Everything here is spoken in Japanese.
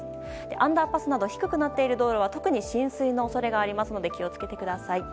アンダーパスなど低くなっている道路は特に浸水の恐れがありますので気を付けてください。